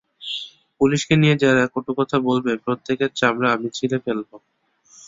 পুলিশকে নিয়ে যারা কটুকথা বলবে, প্রত্যেকের চামড়া আমি ছিলে ফেলবো।